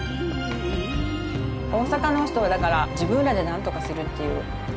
大阪の人はだから自分らで何とかするっていう。